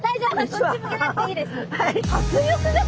こっち向けなくていいです！